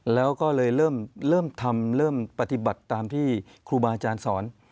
แล้วก็เลยเริ่มทำเริ่มปฏิบัติตามที่ครูบาอาจารย์สอน